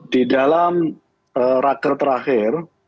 di dalam rakter terakhir